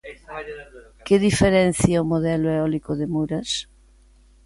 Que diferencia o modelo eólico de Muras?